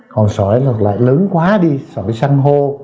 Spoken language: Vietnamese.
còn sỏi lại lớn quá đi sỏi săn hô